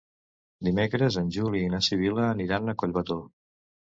Dimecres en Juli i na Sibil·la aniran a Collbató.